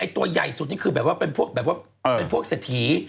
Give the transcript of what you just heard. ตัวใหญ่สุดนี่แบบว่าเป็นพวกเสถี